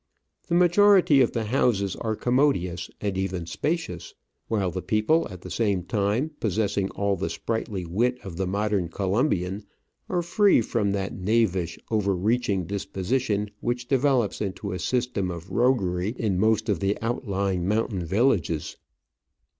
The majority of the houses are commodious, and even spacious, while the people, at the same time possessing all the sprightly wit of the modern Colombian, are free from that knavish, over reaching disposition which develops into a system . of roguery in most of the outlying mountain villages.